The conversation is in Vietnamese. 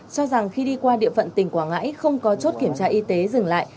cho rằng khi đi qua địa phận tỉnh quảng ngãi không có chốt kiểm tra y tế dừng lại